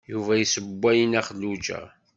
Yuba yessewway i Nna Xelluǧa.